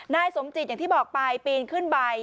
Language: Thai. นายสมจิตอย่างที่บอกไปปีนขึ้นไป